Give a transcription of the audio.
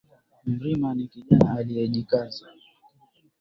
Mrima ni kijana aliyejikaza